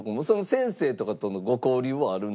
先生とかとのご交流はあるんですか？